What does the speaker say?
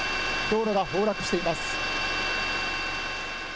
道路が崩落しています。